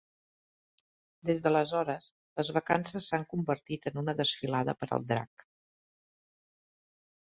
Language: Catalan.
Des d'aleshores, les vacances s'han convertit en una desfilada per al drac.